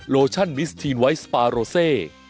โลชั่นมิสทีนไวท์สปาโรเซ